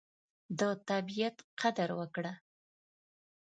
د طبیعت قدر وکړه.